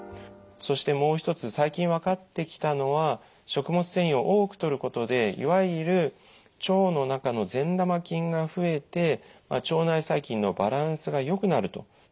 そしてもう一つ最近分かってきたのは食物繊維を多くとることでいわゆる腸の中の善玉菌が増えて腸内細菌のバランスがよくなると。